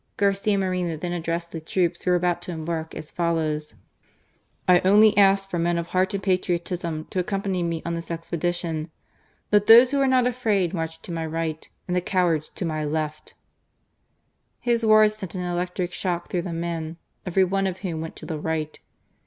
Garcia Moreno then addressed the troops who were about to embark as follows :" I only ask for men of heart and patriotism to accompany me on this expedition* Let those who are not afraid march to my right, and the cowards to the left." His words sent an electric shock through the men, every one of whom went to the right.